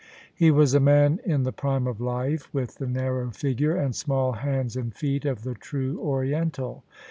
He was a man in the prime of life, with the narrow figure and small hands and feet of the true Oriental.